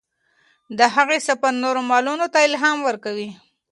د هغې سفر نورو معلولانو ته الهام ورکوي.